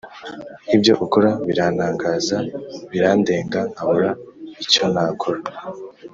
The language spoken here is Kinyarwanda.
Ibyo ukora birantangaza birandenga nkabura icyonakora